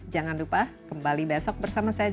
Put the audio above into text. jangan lupa kembali besok bersama saya